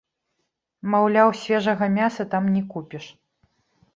Маўляў, свежага мяса там не купіш.